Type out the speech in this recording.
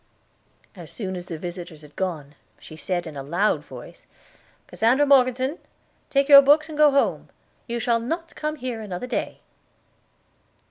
As soon as the visitors had gone, she said in a loud voice: "Cassandra Morgeson, take your books and go home. You shall not come here another day."